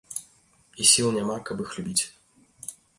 І сіл няма, каб іх любіць.